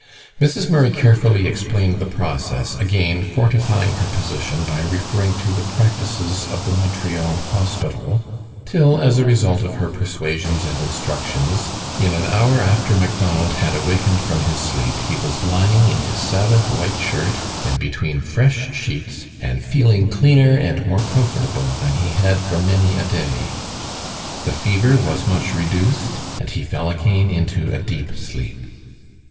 Mrs. Murray carefully explained the process, again fortifying her position by referring to the practices of the Montreal hospital, till, as a result of her persuasions and instructions, in an hour after Macdonald had awakened from his sleep he was lying in his Sabbath white shirt and between fresh sheets, and feeling cleaner and more comfortable than he had for many a day. The fever was much reduced, and he fell again into a deep sleep.